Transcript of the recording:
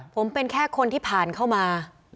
ผมเป็นแค่คนที่ผ่านเข้ามา